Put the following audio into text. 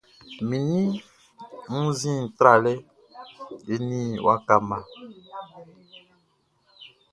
Manmi wunnzin tralɛ eni waka mma.